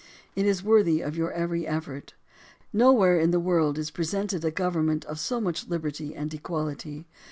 It is worthy of your every effort. Nowhere in the world is presented a government of so much liberty and equality.